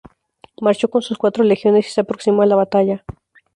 Marchó con sus cuatro legiones y se aproximó a la batalla.